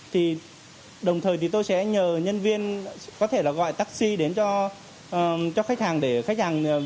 thì đồng thời thì tôi sẽ nhờ nhân viên có thể là gọi taxi đến cho khách hàng để khách hàng